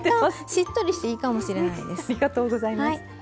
しっとりしていいかもしれない。